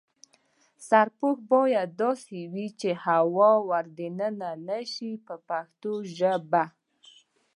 سرپوښ باید داسې وي چې هوا ور دننه نشي په پښتو ژبه.